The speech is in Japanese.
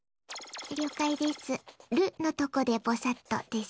了解です。